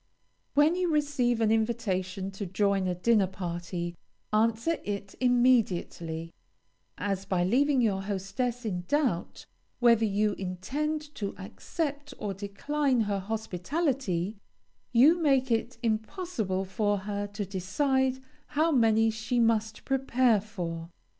When you receive an invitation to join a dinner party, answer it immediately, as, by leaving your hostess in doubt whether you intend to accept or decline her hospitality, you make it impossible for her to decide how many she must prepare for.